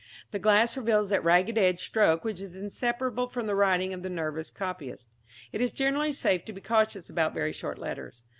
The glass reveals that ragged edged stroke which is inseparable from the writing of the nervous copyist. It is generally safe to be cautious about very short letters.